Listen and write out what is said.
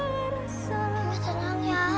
mama tenang ya